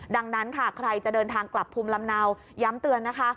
ดังนั้นค่ะใครจะเดินทางกลับภูมิลำเนาย้ำเตือนนะคะ